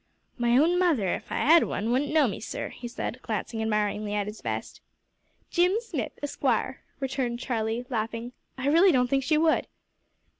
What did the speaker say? "My own mother, if I 'ad one, wouldn't know me, sir," he said, glancing admiringly at his vest. "Jim Smith, Esquire," returned Charlie, laughing. "I really don't think she would."